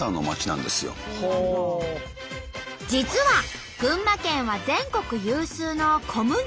実は群馬県は全国有数の小麦の産地。